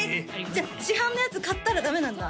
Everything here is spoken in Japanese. じゃあ市販のやつ買ったらダメなんだ？